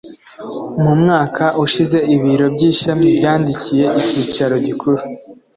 Mu mwaka ushize ibiro by ‘ishami byandikiye icyicaro gikuru